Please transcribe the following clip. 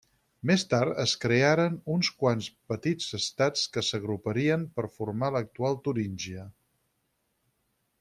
Més tard, es crearen uns quants petits estats que s'agruparien per formar l'actual Turíngia.